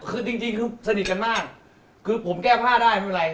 คือจริงคือสนิทกันมากคือผมแก้ผ้าได้ไม่เป็นไร